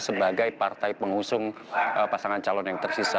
sebagai partai pengusung pasangan calon yang tersisa